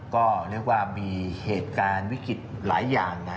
ก็เรียกว่ามีเหตุการณ์วิกฤตหลายอย่าง